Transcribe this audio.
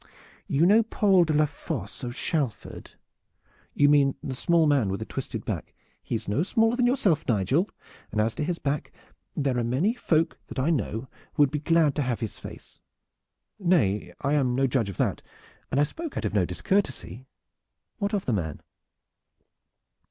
"You know Paul de la Fosse of Shalford?" "You mean the small man with the twisted back?" "He is no smaller than yourself, Nigel, and as to his back there are many folk that I know who would be glad to have his face." "Nay, I am no judge of that, and I spoke out of no discourtesy. What of the man?"